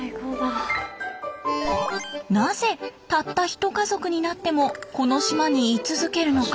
なぜたったひと家族になってもこの島に居続けるのか。